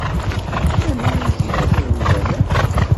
Anwa ay t-ilan wemdan-a?